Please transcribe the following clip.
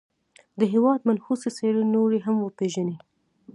د هېواد منحوسي څېرې نورې هم وپېژني.